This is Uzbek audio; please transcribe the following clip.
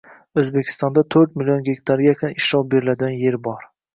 —O‘zbekistonda to'rt million gektarga yaqin ishlov beriladigan yer bor.